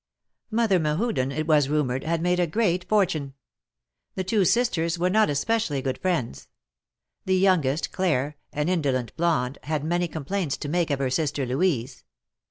Mother Mehuden, it was rumored, had made a great fortune. The two sisters were not especially good friends. The youngest, Claire, an indolent blonde, had many complaints to make of her sister, Louise.